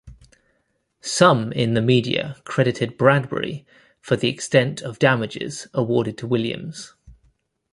Some in the media credited Bradbury for the extent of damages awarded to Williams.